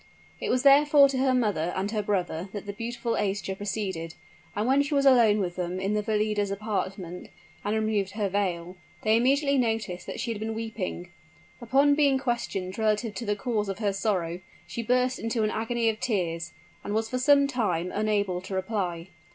It was therefore to her mother and her brother that the beautiful Aischa proceeded; and when she was alone with them in the Valida's apartment, and removed her veil, they immediately noticed that she had been weeping. Upon being questioned relative to the cause of her sorrow, she burst into an agony of tears, and was for some time unable to reply.